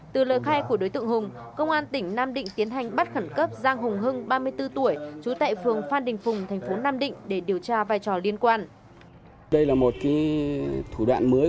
từ lời khai của đối tượng hùng công an tỉnh nam định tiến hành bắt khẩn cấp giang hùng hưng ba mươi bốn tuổi